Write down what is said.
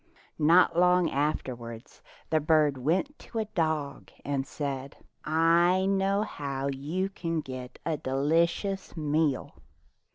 Not long afterward the bird went to a dog and said, "I know how you can get a deli cious meal."